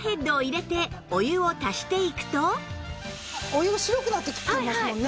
お湯が白くなってきていますもんね。